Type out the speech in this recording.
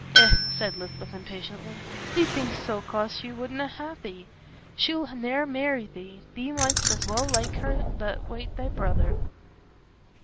"Eh," said Lisbeth, impatiently. "Thee think'st so 'cause she wouldna ha' thee. She'll ne'er marry thee; thee mightst as well like her t' ha' thy brother."